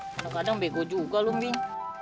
kadang kadang bego juga lo bin